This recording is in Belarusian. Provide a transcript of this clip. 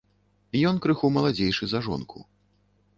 Ён крыху маладзейшы за жонку.